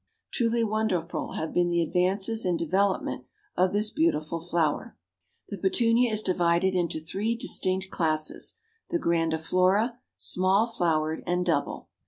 Truly wonderful have been the advances in development of this beautiful flower. The Petunia is divided into three distinct classes, the Grandiflora, Small Flowered and Double.